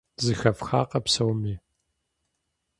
Зэхэфхакъэ псоми?